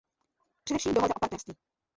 Především dohoda o partnerství.